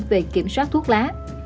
để kiểm soát thuốc lá